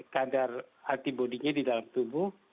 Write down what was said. kadar antibody nya di dalam tubuh